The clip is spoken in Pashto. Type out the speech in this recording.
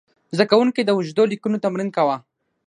زده کوونکي د اوږدو لیکنو تمرین کاوه.